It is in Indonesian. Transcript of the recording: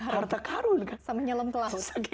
harta karun sama nyelam ke laut